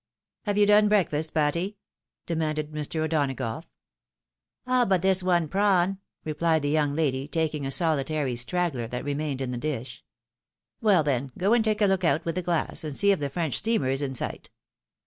" Have you done breakfast, Patty ?" demanded Mr. O'Dona gough. " All but this one prawn," rephed the young lady, taking a solitary straggler that remained in the dish. " Well, then, go and take a look out with the glass, and see if the French steamer is in sight.